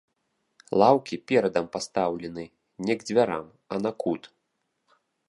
Лаўкі перадам пастаўлены не к дзвярам, а на кут.